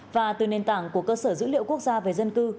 và từ nền tảng của cơ sở dữ liệu quốc gia về dân cư